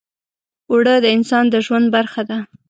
اوړه د انسان د ژوند برخه ده